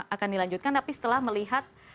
akan dilanjutkan tapi setelah melihat